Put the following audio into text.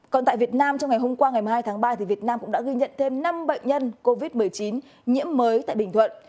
còn tại việt nam trong ngày hôm qua ngày một mươi hai tháng ba việt nam cũng đã ghi nhận thêm năm bệnh nhân covid một mươi chín nhiễm mới tại bình thuận